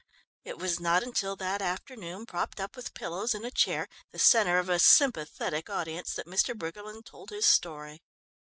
It was not until that afternoon, propped up with pillows in a chair, the centre of a sympathetic audience, that Mr. Briggerland told his story.